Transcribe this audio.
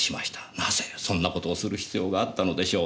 なぜそんな事をする必要があったのでしょう。